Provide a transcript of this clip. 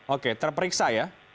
oke terperiksa ya